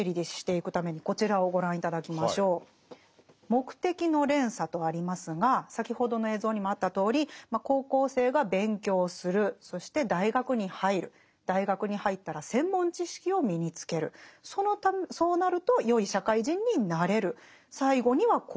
「目的の連鎖」とありますが先ほどの映像にもあったとおり高校生が勉強するそして大学に入る大学に入ったら専門知識を身につけるそうなるとよい社会人になれる最後には幸福になるという流れでしたよね。